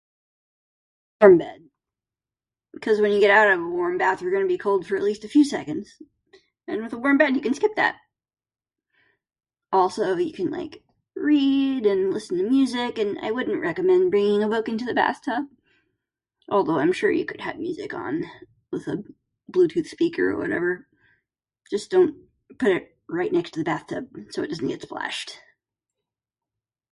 Warm bed. Cuz when you get out of a warm bath you're gonna be cold for at least a few seconds. And with a warm bed you can skip that. Also, that you can like read and listen to music and I wouldn't recommend bringing a book into the bathtub. Although, I'm sure you can have music on with a Bluetooth speaker or whatever. Just don't put it right next to the bathtub, so it doesn't get splashed.